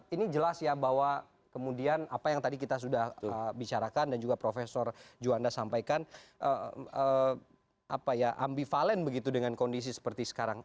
ini jelas ya bahwa kemudian apa yang tadi kita sudah bicarakan dan juga profesor juanda sampaikan ambivalen begitu dengan kondisi seperti sekarang